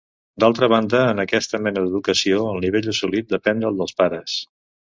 D'altra banda, en aquesta mena d'educació el nivell assolit depèn del dels pares.